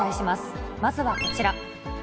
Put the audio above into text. まずはこちら。